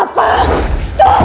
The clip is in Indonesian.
kamu yang harus stop